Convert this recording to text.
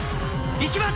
いきます！